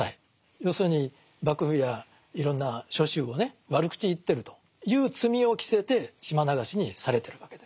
要するに幕府やいろんな諸宗をね悪口言ってるという罪を着せて島流しにされてるわけです。